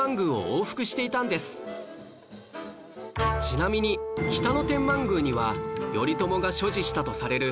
ちなみに北野天満宮には頼朝が所持したとされる